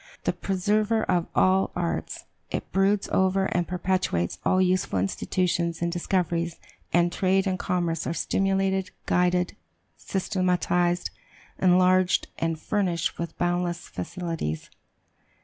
The "preserver of all arts," it broods over and perpetuates all useful institutions and discoveries; and trade and commerce are stimulated, guided, systematized, enlarged, and furnished with boundless facilities.